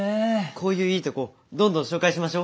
こういういいとこどんどん紹介しましょ。